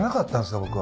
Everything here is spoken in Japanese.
僕は。